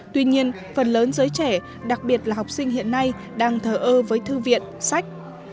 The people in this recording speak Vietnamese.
tuy nhiên phần lớn giới trẻ đặc biệt là học sinh hiện nay đang thờ ơ với thư viện sách